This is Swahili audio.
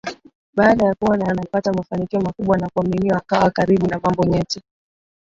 Baada ya kuona anapata mafanikio makubwa na kuaminiwa akawa karibu na mambo nyeti